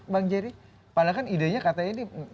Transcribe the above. bang jerry padahal kan idenya katanya ini